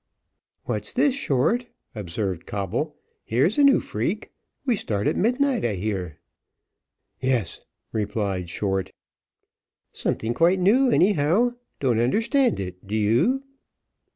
"What's this, Short?" observed Coble: "here is a new freak; we start at midnight, I hear." "Yes," replied Short. "Something quite new, anyhow: don't understand it: do you?"